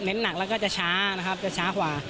หนักแล้วก็จะช้านะครับจะช้ากว่า